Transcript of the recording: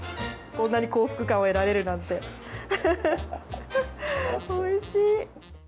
こんなに幸福感をえられるなんて、おいしい。